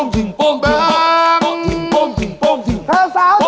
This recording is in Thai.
จับข้าว